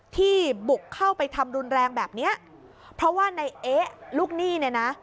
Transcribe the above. ที่บุกเข้าไปทำรุนแรงแบบเนี้ยเพราะว่าในเอ๊ะลูกหนี้เนี่ยนะ